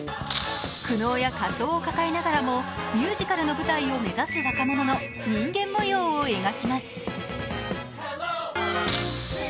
苦悩や葛藤を抱えながらもミュージカルの舞台を目指す若者の人間模様を描きます。